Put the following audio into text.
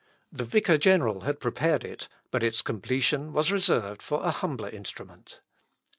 The vicar general had prepared it, but its completion was reserved for a humbler instrument.